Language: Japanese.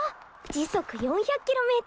時速４００キロ。